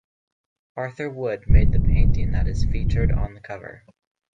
Arthur Wood made the painting that is featured on the cover.